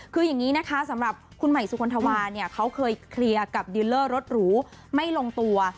คืออย่างนี้นะคะสำหรับคุณใหม่สุคลธวาเนี่ยเขาเคยเคลียร์กับดิลเลอร์รถหรูไม่ลงตัว